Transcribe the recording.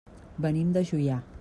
Venim de Juià.